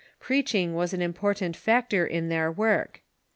Preach ing was an important factor in their work.